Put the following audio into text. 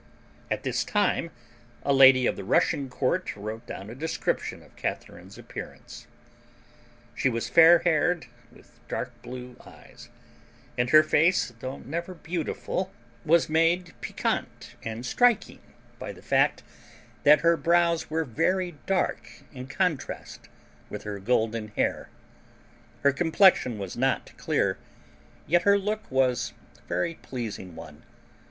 At this time a lady of the Russian court wrote down a description of Catharine's appearance. She was fair haired, with dark blue eyes; and her face, though never beautiful, was made piquant and striking by the fact that her brows were very dark in contrast with her golden hair. Her complexion was not clear, yet her look was a very pleasing one.